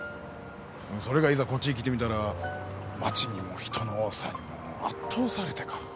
それがいざこっちへ来てみたら街にも人の多さにも圧倒されてから。